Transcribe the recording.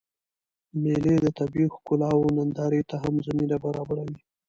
مېلې د طبیعي ښکلاوو نندارې ته هم زمینه برابروي.